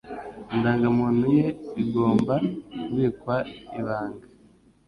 Indangamuntu ye igomba kubikwa ibanga.